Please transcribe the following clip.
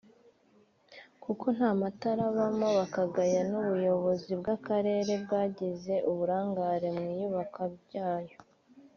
kuko nta matara abamo bakagaya n’ubuyobozi bw’Akarere bwagize uburangare mw’iyubakwa ryayo